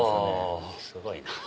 おすごいな。